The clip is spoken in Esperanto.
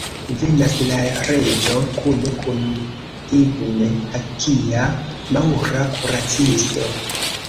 Venas la reĝo kune kun Ibn-Hakia, maŭra kuracisto.